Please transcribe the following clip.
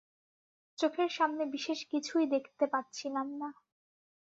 চোখের সামনে বিশেষ কিছুই দেখতে পাচ্ছিলাম না।